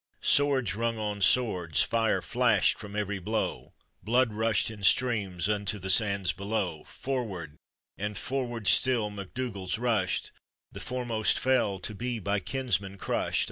Swords rung on swords, fire flashed from every blow, Blood rushed in streams unto the sands below; For%vard, and forward still, MacDougalls rushed, The foremost fell, to be by kinsmen crushed.